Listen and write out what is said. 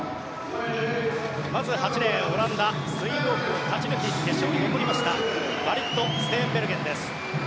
まず８レーン、オランダスイムオフを勝ち抜き決勝に進みましたマリット・ステーンベルゲンです。